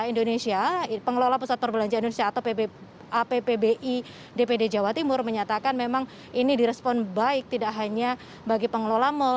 indonesia pengelola pusat perbelanjaan indonesia atau appbi dpd jawa timur menyatakan memang ini direspon baik tidak hanya bagi pengelola mal